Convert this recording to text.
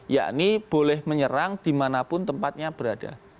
yakni boleh menyerang dimanapun tempatnya berada